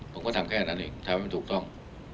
ผมก็ทำแค่นั้นเองทำให้มันถูกต้อง